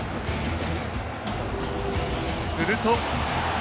すると。